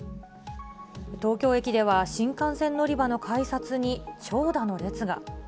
東京駅では新幹線乗り場の改札に長蛇の列が。